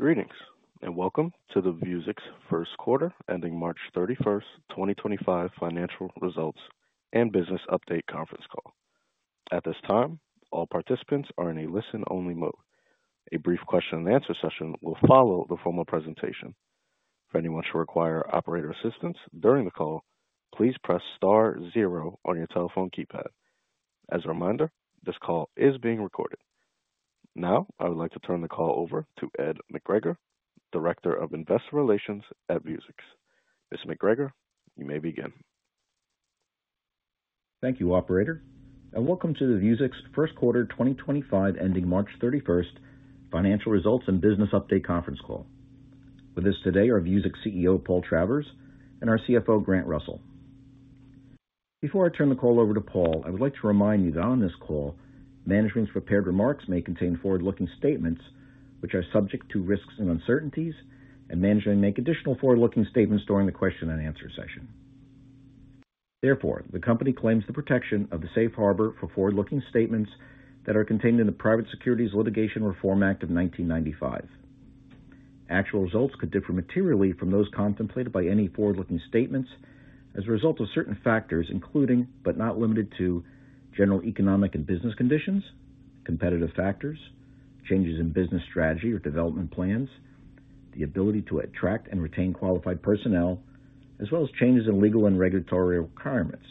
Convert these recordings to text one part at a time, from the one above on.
Greetings and welcome to the Vuzix first quarter ending March 31, 2025 financial results and business update conference call. At this time, all participants are in a listen-only mode. A brief question-and-answer session will follow the formal presentation. If anyone should require operator assistance during the call, please press star zero on your telephone keypad. As a reminder, this call is being recorded. Now, I would like to turn the call over to Ed McGregor, Director of Investor Relations at Vuzix. Mr. McGregor, you may begin. Thank you, Operator. Welcome to the Vuzix first quarter 2025 ending March 31st financial results and business update conference call. With us today are Vuzix CEO Paul Travers and our CFO Grant Russell. Before I turn the call over to Paul, I would like to remind you that on this call, management's prepared remarks may contain forward-looking statements which are subject to risks and uncertainties, and management may make additional forward-looking statements during the question-and-answer session. Therefore, the company claims the protection of the safe harbor for forward-looking statements that are contained in the Private Securities Litigation Reform Act of 1995. Actual results could differ materially from those contemplated by any forward-looking statements as a result of certain factors, including but not limited to general economic and business conditions, competitive factors, changes in business strategy or development plans, the ability to attract and retain qualified personnel, as well as changes in legal and regulatory requirements.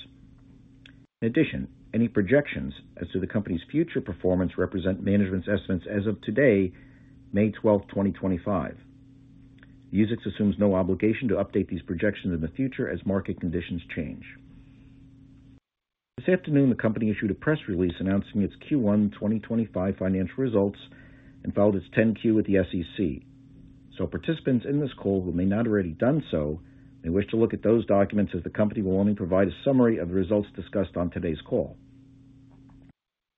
In addition, any projections as to the company's future performance represent management's estimates as of today, May 12th, 2025. Vuzix assumes no obligation to update these projections in the future as market conditions change. This afternoon, the company issued a press release announcing its Q1 2025 financial results and filed its 10-Q at the SEC. Participants in this call who may not have already done so may wish to look at those documents as the company will only provide a summary of the results discussed on today's call.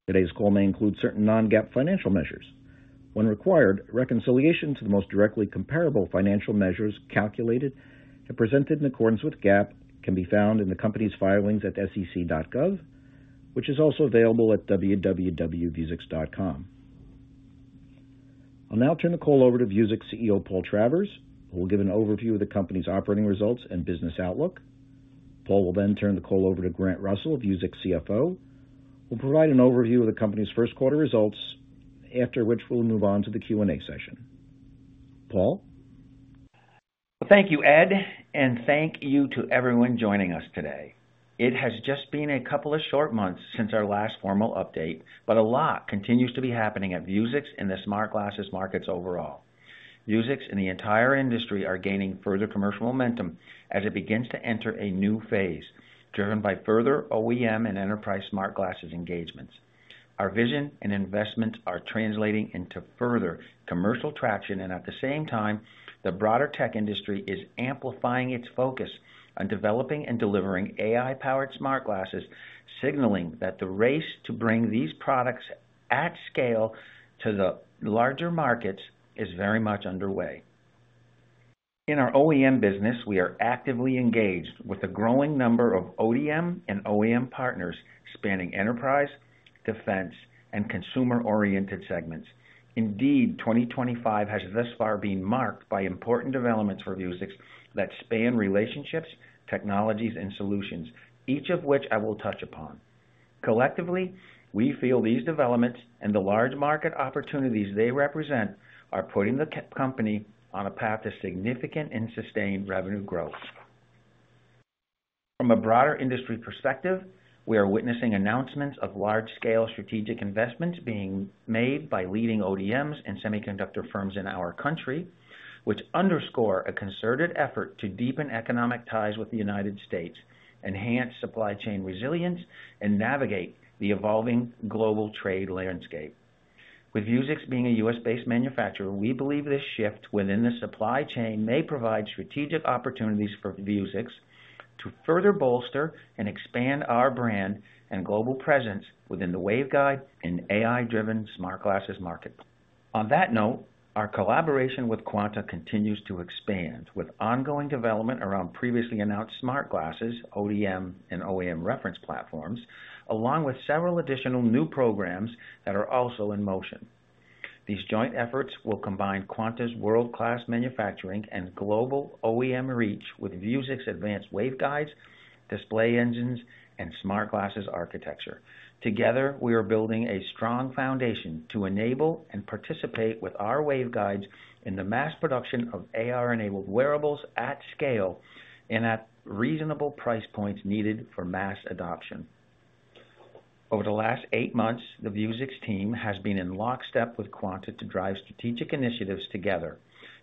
Today's call may include certain non-GAAP financial measures. When required, reconciliation to the most directly comparable financial measures calculated and presented in accordance with GAAP can be found in the company's filings at sec.gov, which is also available at www.vuzix.com. I'll now turn the call over to Vuzix CEO Paul Travers, who will give an overview of the company's operating results and business outlook. Paul will then turn the call over to Grant Russell, Vuzix CFO, who will provide an overview of the company's first quarter results, after which we'll move on to the Q&A session. Paul. Thank you, Ed, and thank you to everyone joining us today. It has just been a couple of short months since our last formal update, but a lot continues to be happening at Vuzix in the smart glasses markets overall. Vuzix and the entire industry are gaining further commercial momentum as it begins to enter a new phase driven by further OEM and enterprise smart glasses engagements. Our vision and investments are translating into further commercial traction, and at the same time, the broader tech industry is amplifying its focus on developing and delivering AI-powered smart glasses, signaling that the race to bring these products at scale to the larger markets is very much underway. In our OEM business, we are actively engaged with a growing number of ODM and OEM partners spanning enterprise, defense, and consumer-oriented segments. Indeed, 2025 has thus far been marked by important developments for Vuzix that span relationships, technologies, and solutions, each of which I will touch upon. Collectively, we feel these developments and the large market opportunities they represent are putting the company on a path to significant and sustained revenue growth. From a broader industry perspective, we are witnessing announcements of large-scale strategic investments being made by leading ODMs and semiconductor firms in our country, which underscore a concerted effort to deepen economic ties with the United States, enhance supply chain resilience, and navigate the evolving global trade landscape. With Vuzix being a U.S.-based manufacturer, we believe this shift within the supply chain may provide strategic opportunities for Vuzix to further bolster and expand our brand and global presence within the Waveguide and AI-driven smart glasses market. On that note, our collaboration with Quanta continues to expand with ongoing development around previously announced smart glasses, ODM, and OEM reference platforms, along with several additional new programs that are also in motion. These joint efforts will combine Quanta's world-class manufacturing and global OEM reach with Vuzix Advanced Waveguides, display engines, and smart glasses architecture. Together, we are building a strong foundation to enable and participate with our Waveguides in the mass production of AR-enabled wearables at scale and at reasonable price points needed for mass adoption. Over the last eight months, the Vuzix team has been in lockstep with Quanta to drive strategic initiatives together,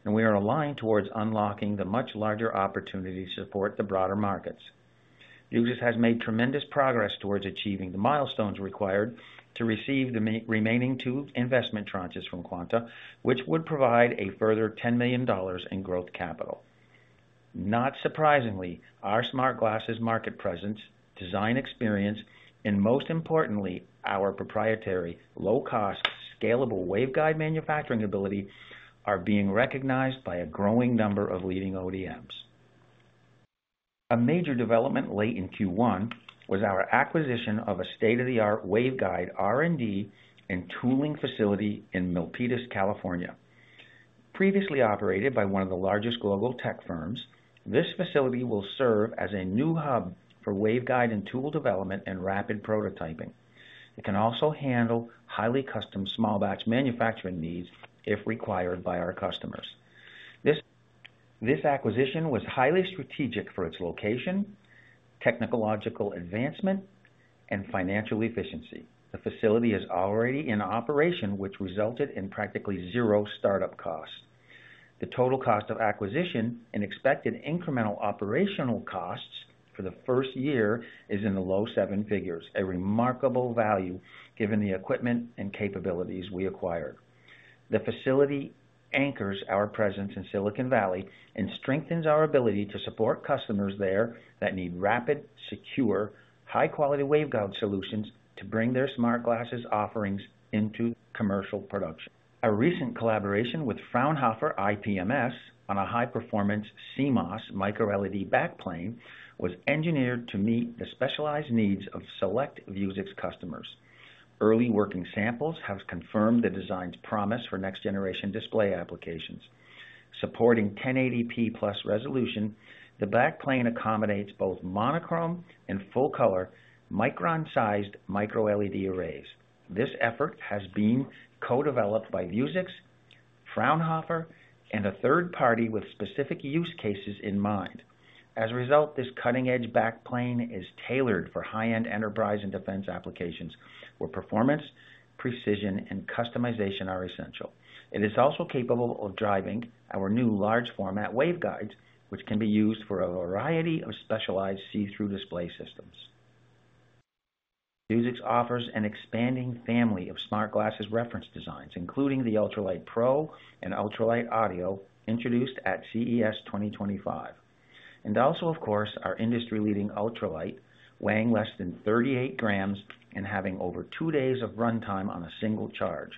and we are aligned towards unlocking the much larger opportunity to support the broader markets. Vuzix has made tremendous progress towards achieving the milestones required to receive the remaining two investment tranches from Quanta, which would provide a further $10 million in growth capital. Not surprisingly, our smart glasses market presence, design experience, and most importantly, our proprietary low-cost, scalable Waveguide manufacturing ability are being recognized by a growing number of leading ODMs. A major development late in Q1 was our acquisition of a state-of-the-art Waveguide R&D and tooling facility in Milpitas, California. Previously operated by one of the largest global tech firms, this facility will serve as a new hub for Waveguide and tool development and rapid prototyping. It can also handle highly custom small-batch manufacturing needs if required by our customers. This acquisition was highly strategic for its location, technological advancement, and financial efficiency. The facility is already in operation, which resulted in practically zero startup cost. The total cost of acquisition and expected incremental operational costs for the first year is in the low seven figures, a remarkable value given the equipment and capabilities we acquired. The facility anchors our presence in Silicon Valley and strengthens our ability to support customers there that need rapid, secure, high-quality Waveguide solutions to bring their smart glasses offerings into commercial production. A recent collaboration with Fraunhofer IPMS on a high-performance CMOS micro-LED backplane was engineered to meet the specialized needs of select Vuzix customers. Early working samples have confirmed the design's promise for next-generation display applications. Supporting 1080p plus resolution, the backplane accommodates both monochrome and full-color micron-sized micro-LED arrays. This effort has been co-developed by Vuzix, Fraunhofer, and a third party with specific use cases in mind. As a result, this cutting-edge backplane is tailored for high-end enterprise and defense applications where performance, precision, and customization are essential. It is also capable of driving our new large-format Waveguides, which can be used for a variety of specialized see-through display systems. Vuzix offers an expanding family of smart glasses reference designs, including the Ultralite Pro and Ultralite Audio introduced at CES 2025, and also, of course, our industry-leading Ultralite, weighing less than 38 grams and having over two days of runtime on a single charge.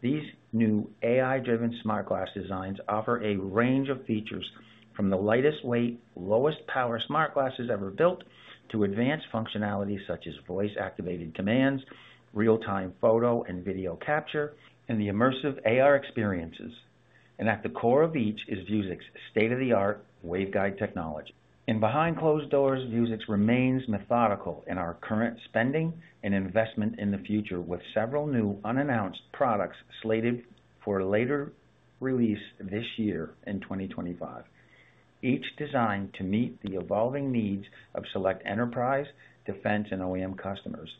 These new AI-driven smart glass designs offer a range of features from the lightest weight, lowest power smart glasses ever built to advanced functionality such as voice-activated commands, real-time photo and video capture, and the immersive AR experiences. At the core of each is Vuzix's state-of-the-art Waveguide technology. Behind closed doors, Vuzix remains methodical in our current spending and investment in the future, with several new unannounced products slated for later release this year in 2025, each designed to meet the evolving needs of select enterprise, defense, and OEM customers.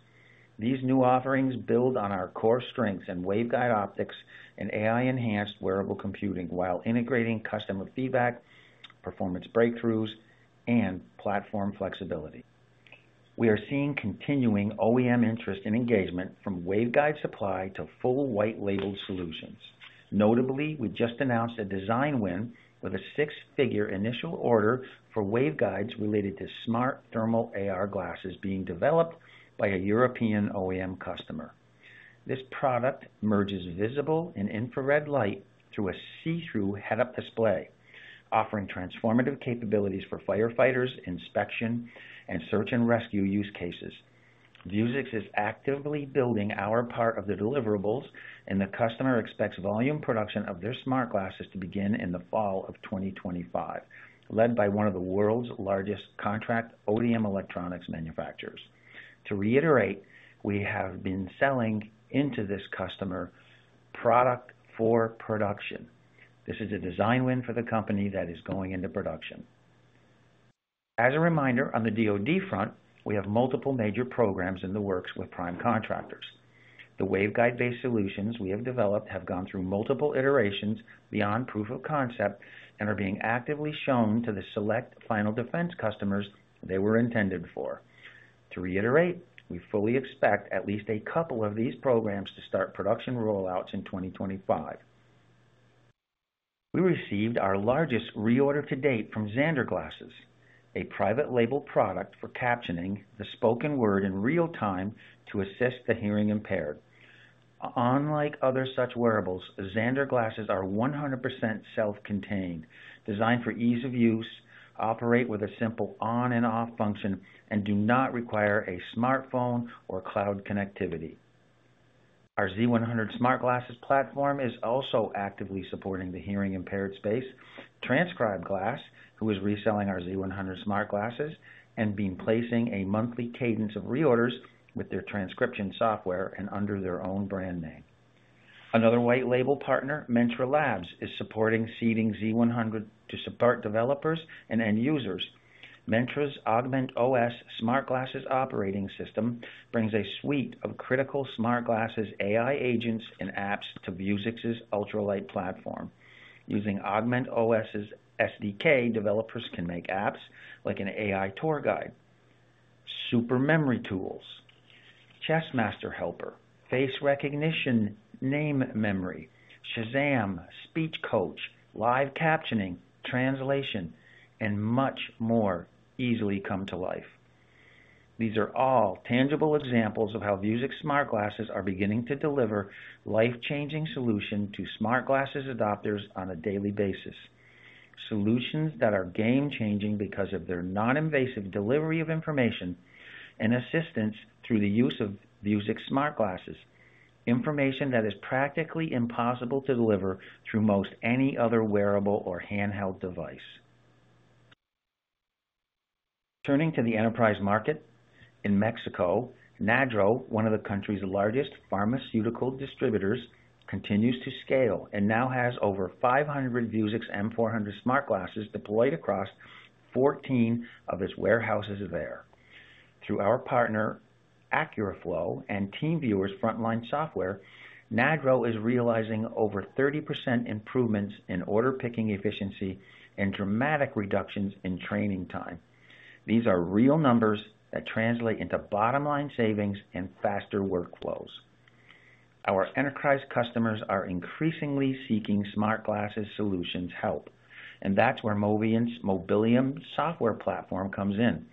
These new offerings build on our core strengths in Waveguide optics and AI-enhanced wearable computing while integrating customer feedback, performance breakthroughs, and platform flexibility. We are seeing continuing OEM interest and engagement from Waveguide supply to full white-labeled solutions. Notably, we just announced a design win with a six-figure initial order for Waveguides related to smart thermal AR glasses being developed by a European OEM customer. This product merges visible and infrared light through a see-through head-up display, offering transformative capabilities for firefighters, inspection, and search and rescue use cases. Vuzix is actively building our part of the deliverables, and the customer expects volume production of their smart glasses to begin in the fall of 2025, led by one of the world's largest contract OEM electronics manufacturers. To reiterate, we have been selling into this customer product for production. This is a design win for the company that is going into production. As a reminder, on the DOD front, we have multiple major programs in the works with prime contractors. The waveguide-based solutions we have developed have gone through multiple iterations beyond proof of concept and are being actively shown to the select final defense customers they were intended for. To reiterate, we fully expect at least a couple of these programs to start production rollouts in 2025. We received our largest reorder to date from XanderGlasses, a private-label product for captioning the spoken word in real time to assist the hearing impaired. Unlike other such wearables, XanderGlasses are 100% self-contained, designed for ease of use, operate with a simple on-and-off function, and do not require a smartphone or cloud connectivity. Our Z100 smart glasses platform is also actively supporting the hearing-impaired space, TranscribeGlass, who is reselling our Z100 smart glasses and being placing a monthly cadence of reorders with their transcription software and under their own brand name. Another white-label partner, Mentra Labs, is supporting seeding Z100 to support developers and end users. Mentra's AugmentOS smart glasses operating system brings a suite of critical smart glasses AI agents and apps to Vuzix's Ultralight platform. Using AugmentOS's SDK, developers can make apps like an AI tour guide. Super memory tools, Chess Master helper, face recognition, name memory, Shazam, speech coach, live captioning, translation, and much more easily come to life. These are all tangible examples of how Vuzix smart glasses are beginning to deliver life-changing solutions to smart glasses adopters on a daily basis. Solutions that are game-changing because of their non-invasive delivery of information and assistance through the use of Vuzix smart glasses, information that is practically impossible to deliver through most any other wearable or handheld device. Turning to the enterprise market, in Mexico, Nadro, one of the country's largest pharmaceutical distributors, continues to scale and now has over 500 Vuzix M400 smart glasses deployed across 14 of its warehouses there. Through our partner, Acuraflow, and TeamViewer's frontline software, Nadro is realizing over 30% improvements in order picking efficiency and dramatic reductions in training time. These are real numbers that translate into bottom-line savings and faster workflows. Our enterprise customers are increasingly seeking smart glasses solutions help, and that's where Moviynt's Mobilium software platform comes in.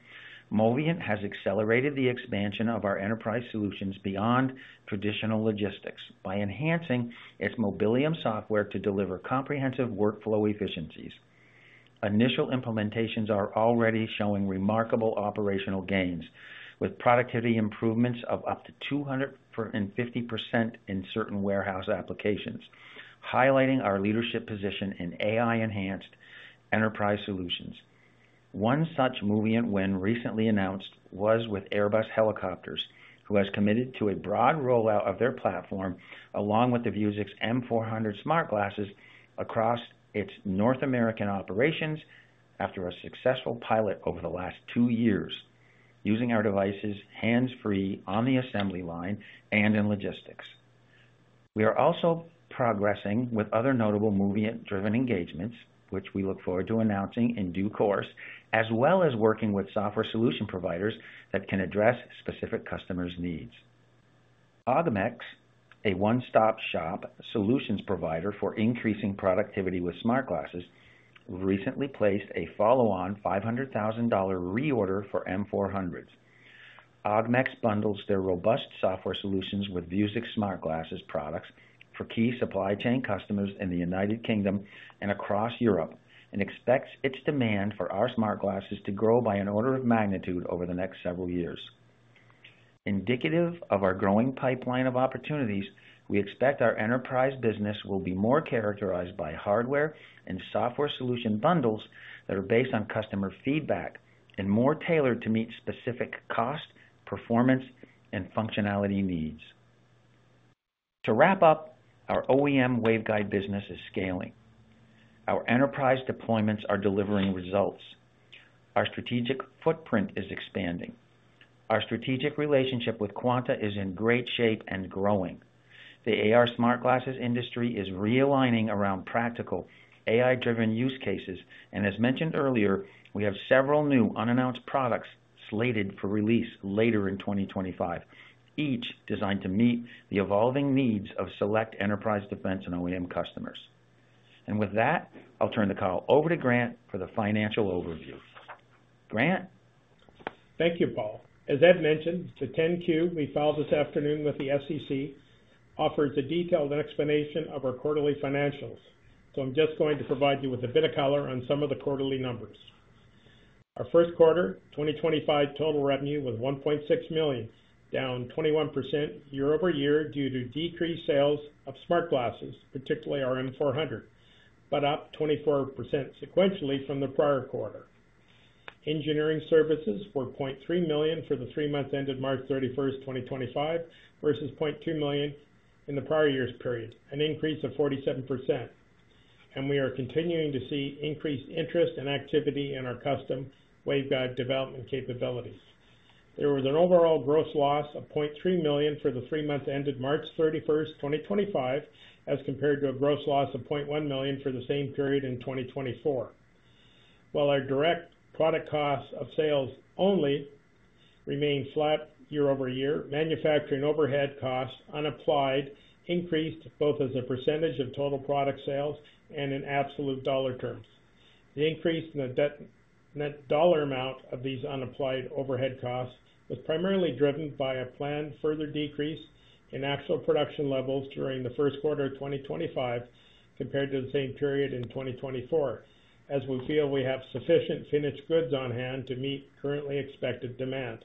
Moviynt has accelerated the expansion of our enterprise solutions beyond traditional logistics by enhancing its Mobilium software to deliver comprehensive workflow efficiencies. Initial implementations are already showing remarkable operational gains, with productivity improvements of up to 250% in certain warehouse applications, highlighting our leadership position in AI-enhanced enterprise solutions. One such Moviynt win recently announced was with Airbus Helicopters, who has committed to a broad rollout of their platform along with the Vuzix M400 smart glasses across its North American operations after a successful pilot over the last two years, using our devices hands-free on the assembly line and in logistics. We are also progressing with other notable Moviynt-driven engagements, which we look forward to announcing in due course, as well as working with software solution providers that can address specific customers' needs. Augmex, a one-stop-shop solutions provider for increasing productivity with smart glasses, recently placed a follow-on $500,000 reorder for M400s. Augmex bundles their robust software solutions with Vuzix smart glasses products for key supply chain customers in the United Kingdom and across Europe and expects its demand for our smart glasses to grow by an order of magnitude over the next several years. Indicative of our growing pipeline of opportunities, we expect our enterprise business will be more characterized by hardware and software solution bundles that are based on customer feedback and more tailored to meet specific cost, performance, and functionality needs. To wrap up, our OEM waveguide business is scaling. Our enterprise deployments are delivering results. Our strategic footprint is expanding. Our strategic relationship with Quanta is in great shape and growing. The AR smart glasses industry is realigning around practical AI-driven use cases, and as mentioned earlier, we have several new unannounced products slated for release later in 2025, each designed to meet the evolving needs of select enterprise defense and OEM customers. With that, I'll turn the call over to Grant for the financial overview. Grant. Thank you, Paul. As Ed mentioned, the 10Q we filed this afternoon with the SEC offers a detailed explanation of our quarterly financials. I'm just going to provide you with a bit of color on some of the quarterly numbers. Our first quarter 2025 total revenue was $1.6 million, down 21% year over year due to decreased sales of smart glasses, particularly our M400, but up 24% sequentially from the prior quarter. Engineering services were $0.3 million for the three months ended March 31st, 2025, versus $0.2 million in the prior year's period, an increase of 47%. We are continuing to see increased interest and activity in our custom Waveguide development capabilities. There was an overall gross loss of $0.3 million for the three months ended March 31, 2025, as compared to a gross loss of $0.1 million for the same period in 2024. While our direct product costs of sales only remained flat year over year, manufacturing overhead costs unapplied increased both as a percentage of total product sales and in absolute dollar terms. The increase in the net dollar amount of these unapplied overhead costs was primarily driven by a planned further decrease in actual production levels during the first quarter of 2025 compared to the same period in 2024, as we feel we have sufficient finished goods on hand to meet currently expected demand.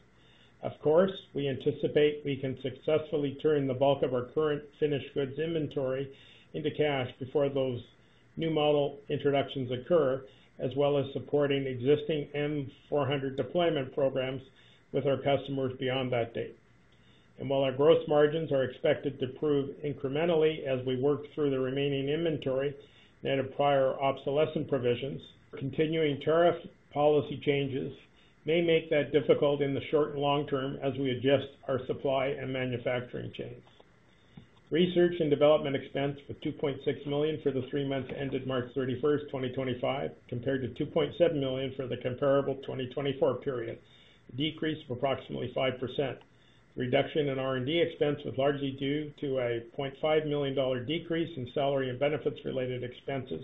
We anticipate we can successfully turn the bulk of our current finished goods inventory into cash before those new model introductions occur, as well as supporting existing M400 deployment programs with our customers beyond that date. While our gross margins are expected to prove incrementally as we work through the remaining inventory and prior obsolescence provisions, continuing tariff policy changes may make that difficult in the short and long term as we adjust our supply and manufacturing chains. Research and development expense was $2.6 million for the three months ended March 31st, 2025, compared to $2.7 million for the comparable 2024 period, a decrease of approximately 5%. Reduction in R&D expense was largely due to a $0.5 million decrease in salary and benefits related expenses,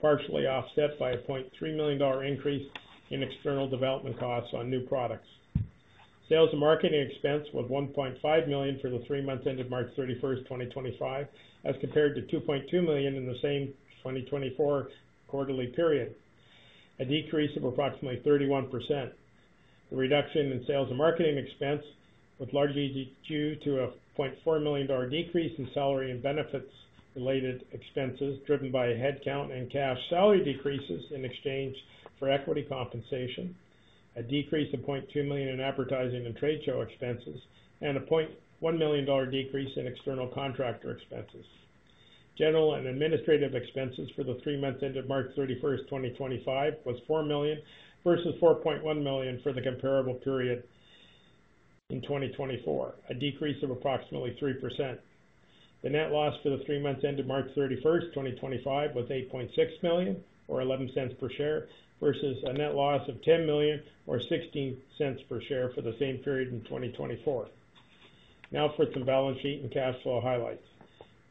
partially offset by a $0.3 million increase in external development costs on new products. Sales and marketing expense was $1.5 million for the three months ended March 31st, 2025, as compared to $2.2 million in the same 2024 quarterly period, a decrease of approximately 31%. The reduction in sales and marketing expense was largely due to a $0.4 million decrease in salary and benefits related expenses driven by headcount and cash salary decreases in exchange for equity compensation, a decrease of $0.2 million in advertising and trade show expenses, and a $0.1 million decrease in external contractor expenses. General and administrative expenses for the three months ended March 31st, 2025, was $4 million versus $4.1 million for the comparable period in 2024, a decrease of approximately 3%. The net loss for the three months ended March 31st, 2025, was $8.6 million or $0.11 per share versus a net loss of $10 million or $0.16 per share for the same period in 2024. Now for some balance sheet and cash flow highlights.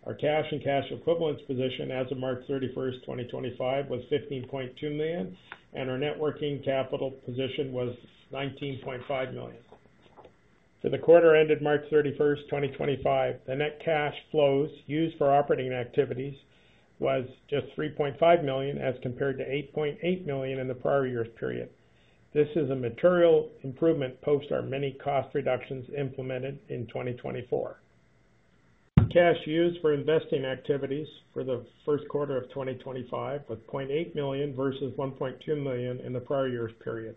Our cash and cash equivalents position as of March 31st, 2025, was $15.2 million, and our networking capital position was $19.5 million. For the quarter ended March 31st, 2025, the net cash flows used for operating activities was just $3.5 million as compared to $8.8 million in the prior year's period. This is a material improvement post our many cost reductions implemented in 2024. Cash used for investing activities for the first quarter of 2025 was $0.8 million versus $1.2 million in the prior year's period.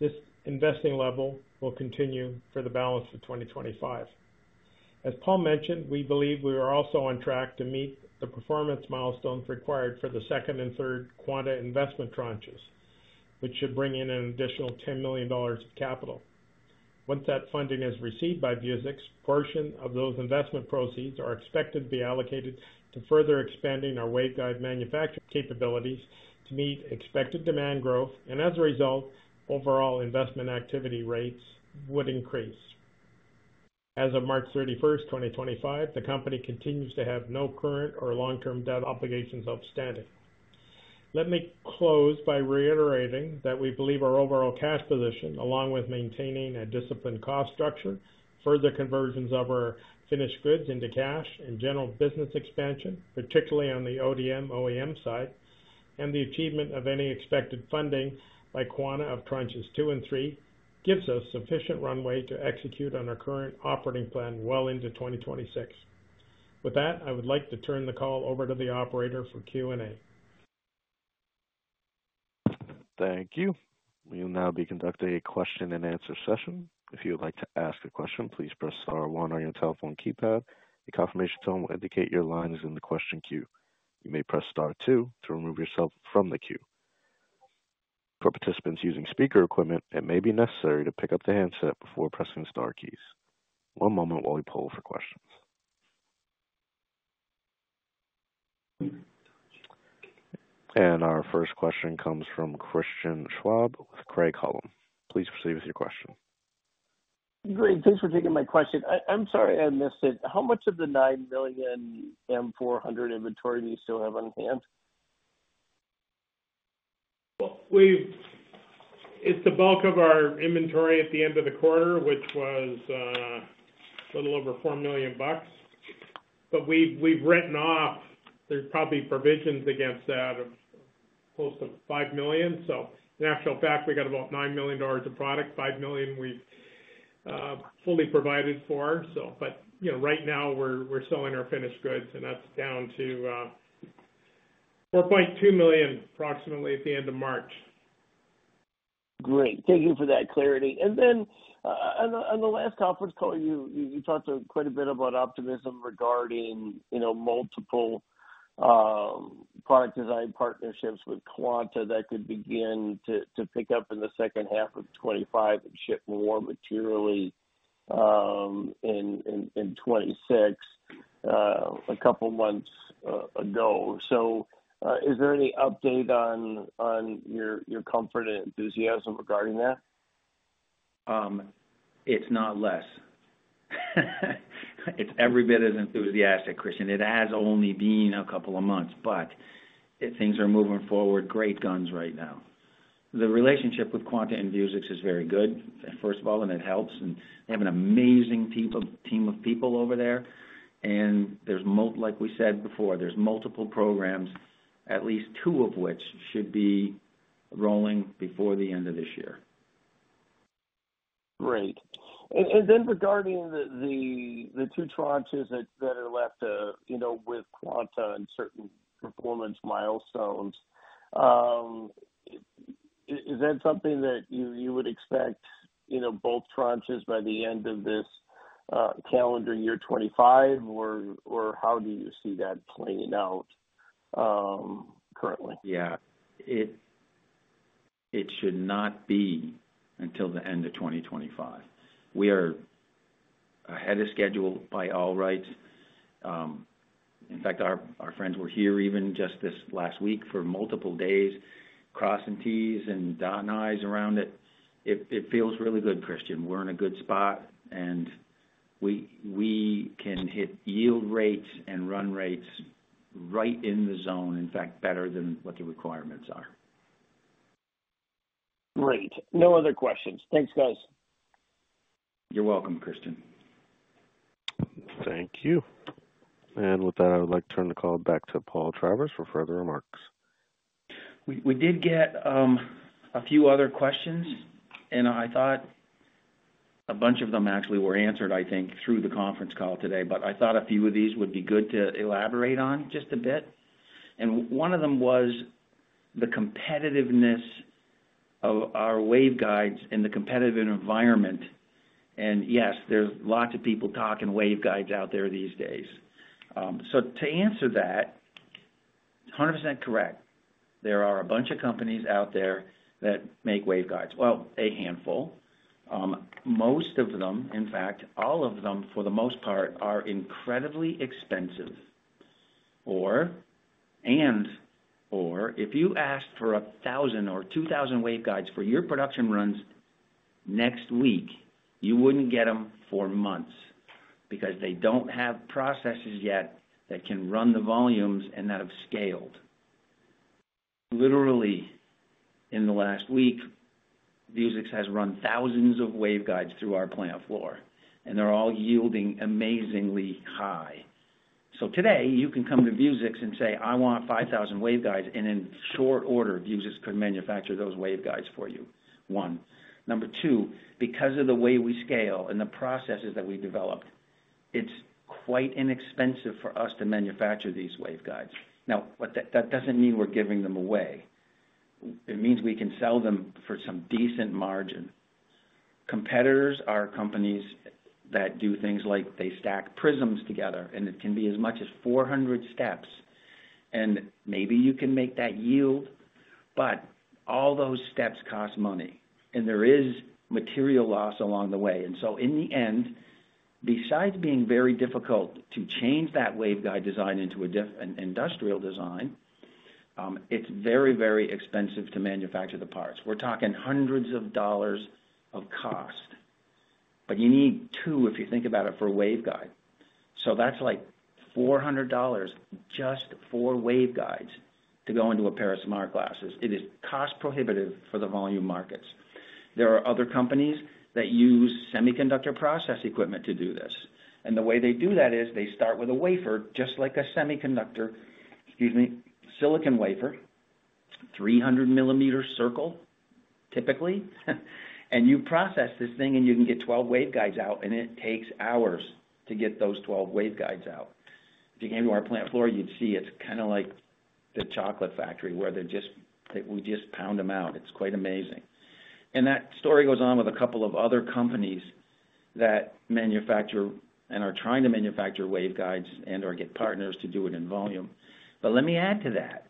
This investing level will continue for the balance of 2025. As Paul mentioned, we believe we are also on track to meet the performance milestones required for the second and third Quanta investment tranches, which should bring in an additional $10 million of capital. Once that funding is received by Vuzix, a portion of those investment proceeds are expected to be allocated to further expanding our Waveguide manufacturing capabilities to meet expected demand growth, and as a result, overall investment activity rates would increase. As of March 31st, 2025, the company continues to have no current or long-term debt obligations outstanding. Let me close by reiterating that we believe our overall cash position, along with maintaining a disciplined cost structure, further conversions of our finished goods into cash, and general business expansion, particularly on the ODM/OEM side, and the achievement of any expected funding by Quanta of tranches two and three, gives us sufficient runway to execute on our current operating plan well into 2026. With that, I would like to turn the call over to the operator for Q&A. Thank you. We will now be conducting a question-and-answer session. If you would like to ask a question, please press star one on your telephone keypad. A confirmation tone will indicate your line is in the question queue. You may press star two to remove yourself from the queue. For participants using speaker equipment, it may be necessary to pick up the handset before pressing the star keys. One moment while we pull for questions. Our first question comes from Christian Schwab with Craig-Hallum. Please proceed with your question. Great. Thanks for taking my question. I'm sorry I missed it. How much of the $9 million M400 inventory do you still have on hand? It is the bulk of our inventory at the end of the quarter, which was a little over $4 million bucks. We have written off, there are probably provisions against that of close to $5 million. In actual fact, we got about $9 million of product, $5 million we have fully provided for. Right now, we are selling our finished goods, and that is down to $4.2 million approximately at the end of March. Great. Thank you for that clarity. On the last conference call, you talked quite a bit about optimism regarding multiple product design partnerships with Quanta that could begin to pick up in the second half of 2025 and ship more materially in 2026 a couple of months ago. Is there any update on your comfort and enthusiasm regarding that? It's not less. It's every bit as enthusiastic, Christian. It has only been a couple of months, but things are moving forward great guns right now. The relationship with Quanta and Vuzix is very good, first of all, and it helps. They have an amazing team of people over there. Like we said before, there are multiple programs, at least two of which should be rolling before the end of this year. Great. Regarding the two tranches that are left with Quanta and certain performance milestones, is that something that you would expect both tranches by the end of this calendar year 2025, or how do you see that playing out currently? Yeah. It should not be until the end of 2025. We are ahead of schedule by all rights. In fact, our friends were here even just this last week for multiple days, crossing T's and dotting I's around it. It feels really good, Christian. We're in a good spot, and we can hit yield rates and run rates right in the zone, in fact, better than what the requirements are. Great. No other questions. Thanks, guys. You're welcome, Christian. Thank you. I would like to turn the call back to Paul Travers for further remarks. We did get a few other questions, and I thought a bunch of them actually were answered, I think, through the conference call today. I thought a few of these would be good to elaborate on just a bit. One of them was the competitiveness of our Waveguides in the competitive environment. Yes, there are lots of people talking Waveguides out there these days. To answer that, 100% correct. There are a bunch of companies out there that make Waveguides. Well, a handful. Most of them, in fact, all of them, for the most part, are incredibly expensive. If you asked for 1,000 or 2,000 Waveguides for your production runs next week, you would not get them for months because they do not have processes yet that can run the volumes and that have scaled. Literally, in the last week, Vuzix has run thousands of Waveguides through our plant floor, and they're all yielding amazingly high. Today, you can come to Vuzix and say, "I want 5,000 Waveguides," and in short order, Vuzix could manufacture those Waveguides for you. One. Number two, because of the way we scale and the processes that we developed, it's quite inexpensive for us to manufacture these Waveguides. Now, that doesn't mean we're giving them away. It means we can sell them for some decent margin. Competitors are companies that do things like they stack prisms together, and it can be as much as 400 steps. Maybe you can make that yield, but all those steps cost money, and there is material loss along the way. In the end, besides being very difficult to change that Waveguide design into an industrial design, it is very, very expensive to manufacture the parts. We are talking hundreds of dollars of cost. You need two if you think about it for a Waveguide. That is like $400 just for Waveguides to go into a pair of smart glasses. It is cost prohibitive for the volume markets. There are other companies that use semiconductor process equipment to do this. The way they do that is they start with a wafer, just like a semiconductor, excuse me, silicon wafer, 300-millimeter circle, typically. You process this thing, and you can get 12 Waveguides out, and it takes hours to get those 12 Waveguides out. If you came to our plant floor, you would see it is kind of like the chocolate factory where we just pound them out. It is quite amazing. That story goes on with a couple of other companies that manufacture and are trying to manufacture waveguides and/or get partners to do it in volume. Let me add to that.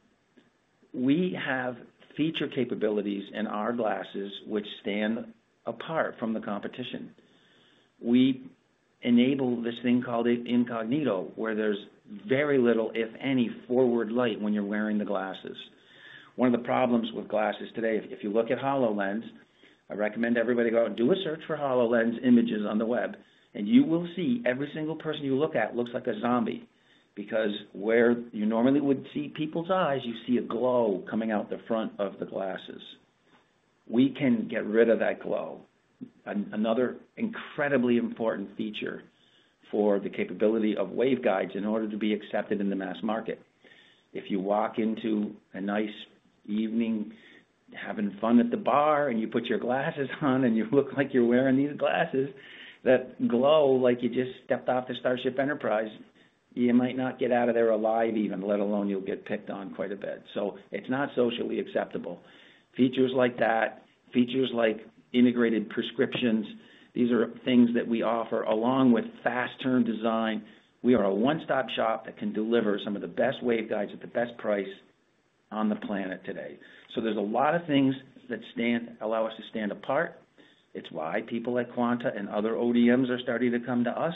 We have feature capabilities in our glasses which stand apart from the competition. We enable this thing called incognito, where there is very little, if any, forward light when you are wearing the glasses. One of the problems with glasses today, if you look at HoloLens, I recommend everybody go and do a search for HoloLens images on the web, and you will see every single person you look at looks like a zombie because where you normally would see people's eyes, you see a glow coming out the front of the glasses. We can get rid of that glow. Another incredibly important feature for the capability of waveguides in order to be accepted in the mass market. If you walk into a nice evening having fun at the bar and you put your glasses on and you look like you're wearing these glasses, that glow like you just stepped off the Starship Enterprise, you might not get out of there alive even, let alone you'll get picked on quite a bit. It is not socially acceptable. Features like that, features like integrated prescriptions, these are things that we offer along with fast turn design. We are a one-stop shop that can deliver some of the best Waveguides at the best price on the planet today. There are a lot of things that allow us to stand apart. It is why people at Quanta and other ODMs are starting to come to us.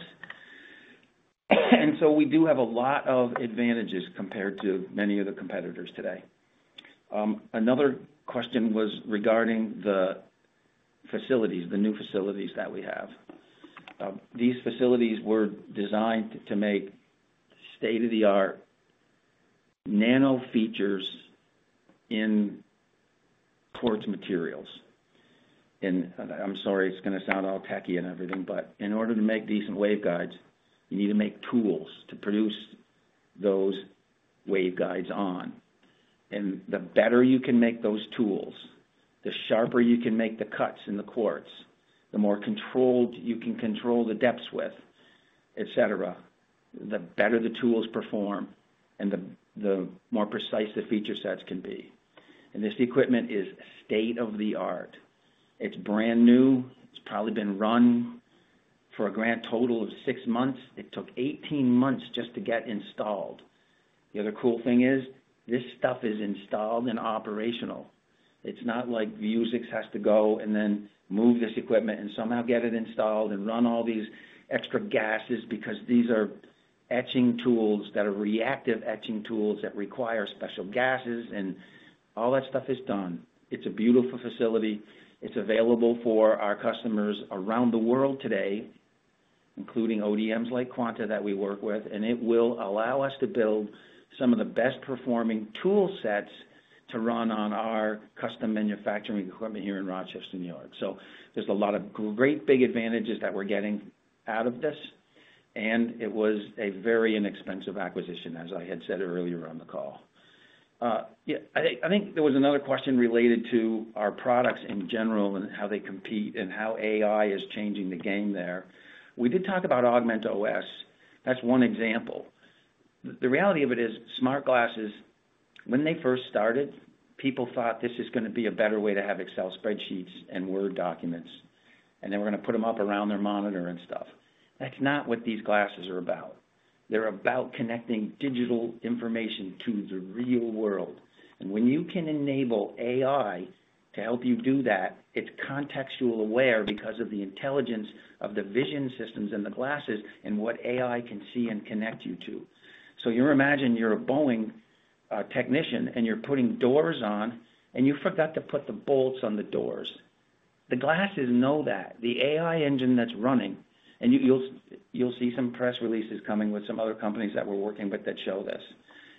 We do have a lot of advantages compared to many of the competitors today. Another question was regarding the facilities, the new facilities that we have. These facilities were designed to make state-of-the-art nano features in quartz materials. I'm sorry, it's going to sound all techy and everything, but in order to make decent waveguides, you need to make tools to produce those waveguides on. The better you can make those tools, the sharper you can make the cuts in the quartz, the more controlled you can control the depths with, etc., the better the tools perform and the more precise the feature sets can be. This equipment is state-of-the-art. It's brand new. It's probably been run for a grand total of six months. It took 18 months just to get installed. The other cool thing is this stuff is installed and operational. It's not like Vuzix has to go and then move this equipment and somehow get it installed and run all these extra gases because these are etching tools that are reactive etching tools that require special gases, and all that stuff is done. It's a beautiful facility. It's available for our customers around the world today, including ODMs like Quanta that we work with. It will allow us to build some of the best-performing tool sets to run on our custom manufacturing equipment here in Rochester, New York. There are a lot of great big advantages that we're getting out of this. It was a very inexpensive acquisition, as I had said earlier on the call. I think there was another question related to our products in general and how they compete and how AI is changing the game there. We did talk about AugmentOS. That's one example. The reality of it is smart glasses, when they first started, people thought this is going to be a better way to have Excel spreadsheets and Word documents, and then we're going to put them up around their monitor and stuff. That is not what these glasses are about. They are about connecting digital information to the real world. When you can enable AI to help you do that, it is contextual aware because of the intelligence of the vision systems and the glasses and what AI can see and connect you to. You imagine you are a Boeing technician and you are putting doors on, and you forgot to put the bolts on the doors. The glasses know that. The AI engine that is running, and you will see some press releases coming with some other companies that we are working with that show this.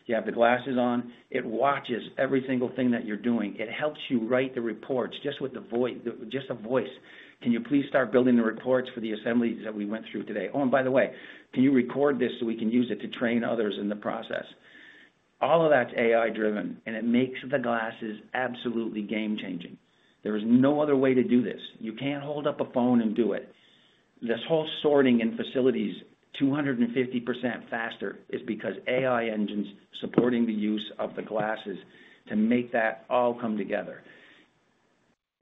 You have the glasses on. It watches every single thing that you're doing. It helps you write the reports just with a voice. Can you please start building the reports for the assemblies that we went through today? Oh, and by the way, can you record this so we can use it to train others in the process? All of that's AI-driven, and it makes the glasses absolutely game-changing. There is no other way to do this. You can't hold up a phone and do it. This whole sorting in facilities 250% faster is because AI engines are supporting the use of the glasses to make that all come together.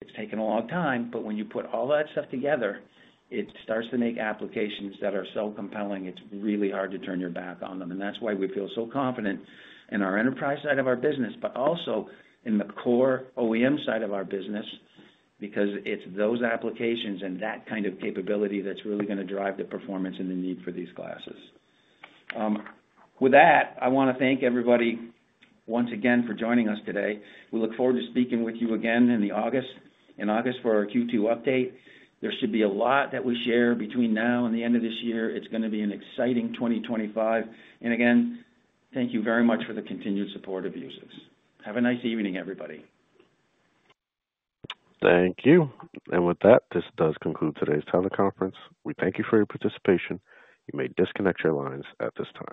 It's taken a long time, but when you put all that stuff together, it starts to make applications that are so compelling, it's really hard to turn your back on them. That is why we feel so confident in our enterprise side of our business, but also in the core OEM side of our business, because it is those applications and that kind of capability that is really going to drive the performance and the need for these glasses. With that, I want to thank everybody once again for joining us today. We look forward to speaking with you again in August for our Q2 update. There should be a lot that we share between now and the end of this year. It is going to be an exciting 2025. Again, thank you very much for the continued support of Vuzix. Have a nice evening, everybody. Thank you. With that, this does conclude today's teleconference. We thank you for your participation. You may disconnect your lines at this time.